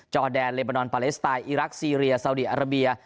จอดแดนเรบานอนปาเลสไตน์อิรักซีเรียสาวเดียอาราเบีย